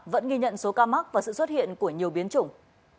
vẫn ghi nhận số ca mắc và sự xuất hiện của nhiều biến chủng